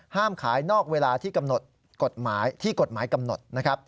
๓ห้ามขายนอกเวลาที่กฎหมายกำหนด